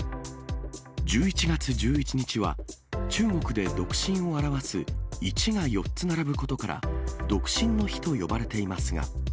１１月１１日は、中国で独身を表す１が４つ並ぶことから、独身の日と呼ばれていますが。